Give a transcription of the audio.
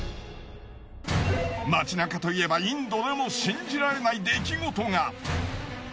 街なかといえばインドでも信じられない出来事が。